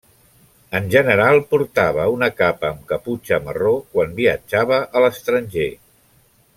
En general portava una capa amb caputxa marró quan viatjava a l'estranger.